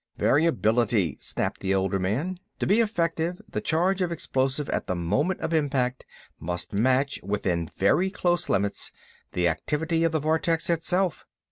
"Variability," snapped the older man. "To be effective, the charge of explosive at the moment of impact must match, within very close limits, the activity of the vortex itself.